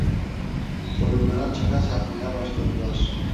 Koyunlara caka satmaya başladılar.